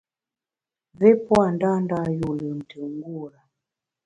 Mvé pua ndâ mâ yû lùmntùm ngure.